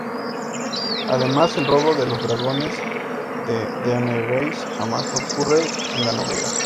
Además, el robo de los dragones de Daenerys jamás ocurre en la novela.